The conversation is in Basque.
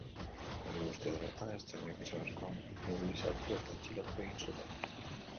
Hori guztia dela eta, ertzainek gizonezkoa inmobilizatu eta atxilotu egin zuten.